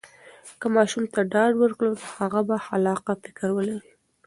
که ماشوم ته ډاډ ورکړو، نو هغه به خلاقه فکر ولري.